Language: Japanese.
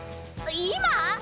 今！？